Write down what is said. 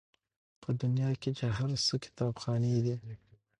په دنیا کي چي هر څه کتابخانې دي